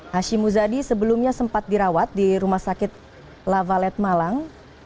hashim muzadi sebelumnya sempat dirawat di rumah sakit lavalet malang